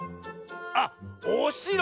あっおしろ！